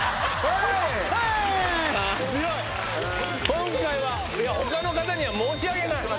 今回は他の方には申し訳ない。